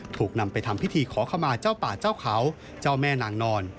ถูกนำไปทำพิธีขอขมาเจ้าป่าเจ้าเขาเจ้าแม่นางนอน